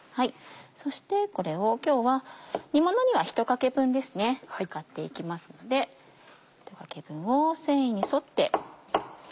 そしてこれを今日は煮ものには１かけ分使っていきますので１かけ分を繊維に沿って。